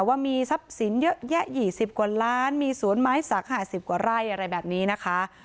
ว่ามีทรัพย์สินเยอะแยะ๒๐กว่าล้านมีสวนไม้สัก๕๐กว่าไร่อะไรแบบนี้นะคะ